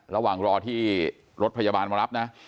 ระหว่างรอที่รถพยาบาลมารับนะ